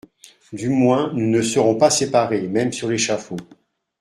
Du moins nous ne serons pas séparés, même sur l'échafaud.